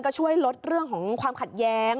ช่วยลดเรื่องขาดแย้ง